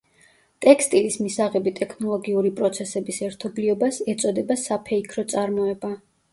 ტექსტილის მისაღები ტექნოლოგიური პროცესების ერთობლიობას ეწოდება საფეიქრო წარმოება.